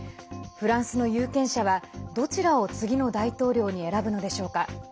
フランスの有権者はどちらを次の大統領に選ぶのでしょうか。